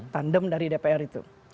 tandem dari dpr itu